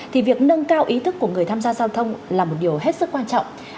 thì việc nâng cao ý thức của người tham gia giao thông là một điều hết sức quan trọng